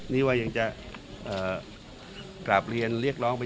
นี่ว่ายังจะกราบเรียนเรียกร้องไป